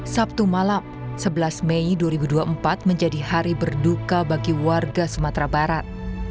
sabtu malam sebelas mei dua ribu dua puluh empat menjadi hari berduka bagi warga sumatera barat